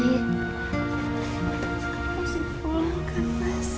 sekarang masih pulang kan mas